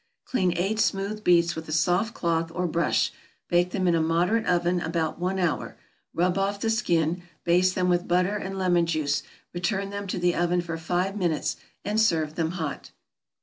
= Clean eight smooth beets with a soft cloth or brush; bake them in a moderate oven about one hour; rub off the skin, baste them with butter and lemon juice, return them to the oven for five minutes, and serve them hot.